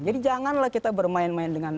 jadi janganlah kita bermain main dengan